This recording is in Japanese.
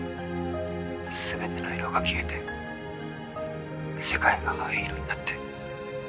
全ての色が消えて世界が灰色になって。